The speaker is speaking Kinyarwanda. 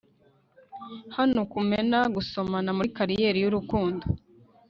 hano kumena gusomana muri kariyeri y'urukundo